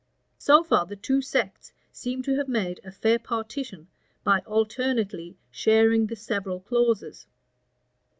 So far the two sects seem to have made a fair partition by alternately sharing the several clauses.